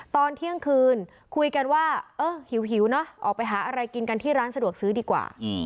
ตอนเที่ยงคืนคุยกันว่าเออหิวเนอะออกไปหาอะไรกินกันที่ร้านสะดวกซื้อดีกว่า